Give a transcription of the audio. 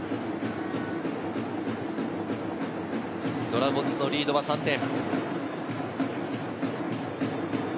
ドラゴンズのリードは３点。